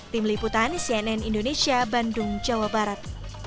tim liputan cnn indonesia bandung jawa barat